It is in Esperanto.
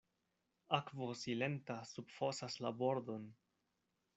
Akvo silenta subfosas la bordon.